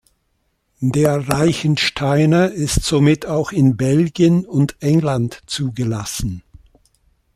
Der Reichensteiner ist somit auch in Belgien und England zugelassen.